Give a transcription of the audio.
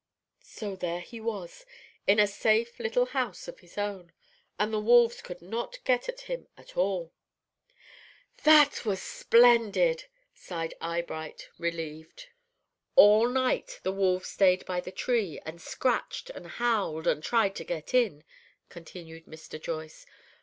So there he was, in a safe little house of his own, and the wolves could not get at him at all." "That was splendid," sighed Eyebright, relieved. "All night the wolves stayed by the tree, and scratched and howled and tried to get in," continued Mr. Joyce.